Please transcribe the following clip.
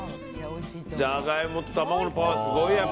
ジャガイモと卵のパワーすごい！